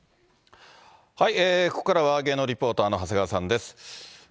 ここからは芸能リポーターの長谷川さんです。